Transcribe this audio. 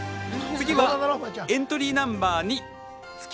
次はエントリーナンバー２築舘